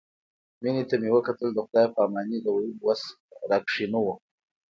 مينې ته مې وکتل د خداى پاماني د ويلو وس راکښې نه و.